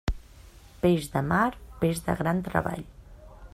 Peix de mar, peix de gran treball.